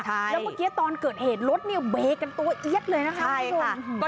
เมื่อกี้ตอนเกิดเหตุรถเนี่ยเบ้กันตัวเอี๊ยดเลยนะคะ